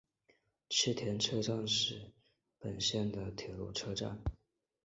池田车站根室本线的铁路车站。